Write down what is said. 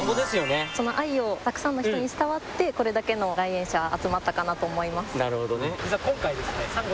その愛がたくさんの人に伝わってこれだけの来園者が集まったかなと思います。